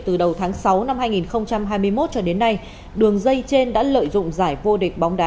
từ đầu tháng sáu năm hai nghìn hai mươi một cho đến nay đường dây trên đã lợi dụng giải vô địch bóng đá